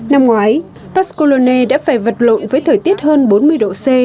năm ngoái pascolone đã phải vật lộn với thời tiết hơn bốn mươi độ c